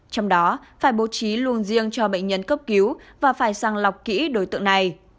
trong đó phải bố trí luôn riêng cho bệnh nhân cấp cứu và phải sang lọc kỹ đối tượng này